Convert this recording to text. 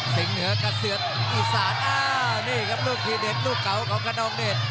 เหนือกับเสืออีสานอ้าวนี่ครับลูกทีเด็ดลูกเก่าของขนองเดช